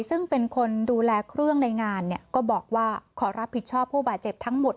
ซึ่งเป็นคนดูแลเครื่องในงานเนี่ยก็บอกว่าขอรับผิดชอบผู้บาดเจ็บทั้งหมด